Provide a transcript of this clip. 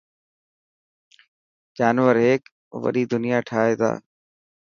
جانور هيڪ وڏي دنيا ٺاهي تا.